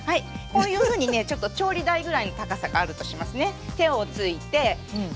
こういうふうにねちょっと調理台ぐらいの高さがあるとしますね。